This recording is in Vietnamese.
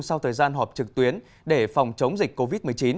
sau thời gian họp trực tuyến để phòng chống dịch covid một mươi chín